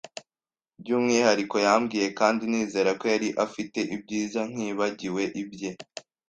byumwihariko yambwiye, kandi nizera ko yari afite ibyiza nkibagiwe ibye